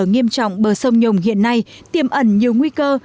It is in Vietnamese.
sạt lở nghiêm trọng bờ sông nhùng hiện nay tiềm ẩn nhiều nguy cơ